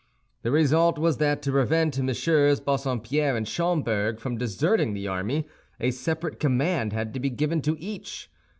The result was that to prevent MM. Bassompierre and Schomberg from deserting the army, a separate command had to be given to each.